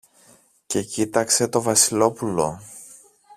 και κοίταξε το Βασιλόπουλο.